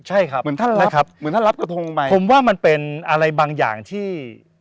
ใช่ครับเหมือนท่านรับกระทงใหม่ผมว่ามันเป็นอะไรบางอย่างที่